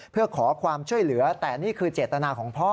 เพื่อขอความช่วยเหลือแต่นี่คือเจตนาของพ่อ